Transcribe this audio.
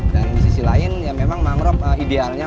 di sisi lain ya memang mangrove idealnya